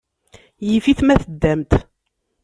Yif-it ma teddamt.